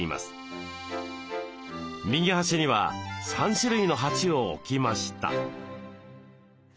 右端には３種類の鉢を置きました。